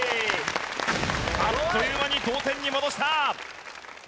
あっという間に同点に戻した！